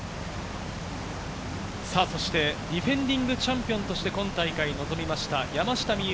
そして、ディフェンディングチャンピオンとして今大会に臨みました、山下美夢